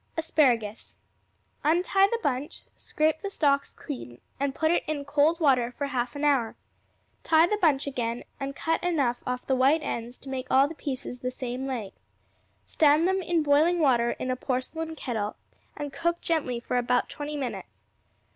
Asparagus Untie the bunch, scrape the stalks clean, and put it in cold water for half an hour. Tie the bunch again, and cut enough off the white ends to make all the pieces the same length. Stand them in boiling water in a porcelain kettle, and cook gently for about twenty minutes.